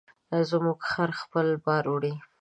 زموږ خر خپل بار وړي.